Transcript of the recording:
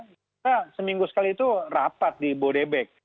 kita seminggu sekali itu rapat di bodebek